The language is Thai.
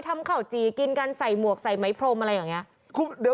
ทำข่าวจี่กินกันใส่หมวกใส่ไหมพรมอะไรอย่างนี้